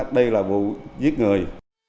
đây là vụ giết người